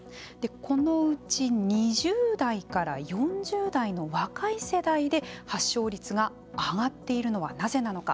このうち、２０代から４０代の若い世代で発症率が上がっているのはなぜなのか。